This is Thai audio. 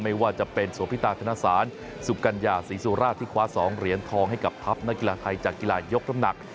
ไม่ว่าจะเป็นโสพิตาธนสารสุกัญญาศรีสุราชที่คว้า๒เหรียญทองให้กับทัพนักกีฬาไทยจากกีฬายกน้ำหนัก